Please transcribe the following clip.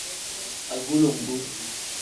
Agulongu.